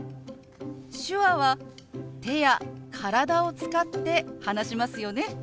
手話は手や体を使って話しますよね。